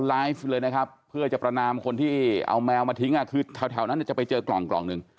ไลฟ์เลยนะครับเพื่อจะประนามคนที่เอาแมวมาทิ้งคือแถวนั้นจะไปเจอกล่องกล่องหนึ่ง